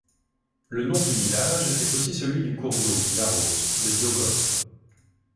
Le nom du village est aussi celui du cours d'eau qui l'arrose, le Djogob.